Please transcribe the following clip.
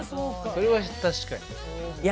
それは確かにね。